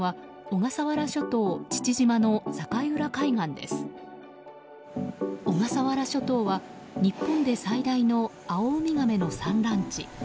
小笠原諸島は日本で最大のアオウミガメの産卵地。